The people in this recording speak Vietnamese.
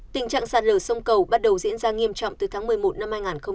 tình trạng sạt lở sông cầu bắt đầu diễn ra nghiêm trọng từ tháng một mươi một năm hai nghìn một mươi chín